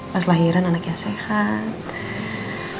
pas lahiran anaknya sehat